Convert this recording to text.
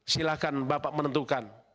silahkan bapak menentukan